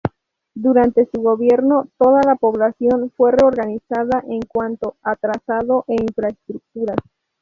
Durante su gobierno toda la población fue reorganizada en cuanto a trazado e infraestructuras.